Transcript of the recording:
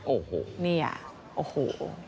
โอ้โห